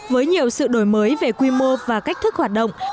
với nhiều sự đổi mới về quy mô và cách thức hoạt động